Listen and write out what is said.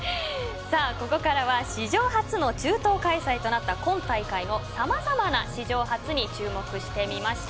ここからは史上初の中東開催となった今大会の様々な史上初に注目してみました。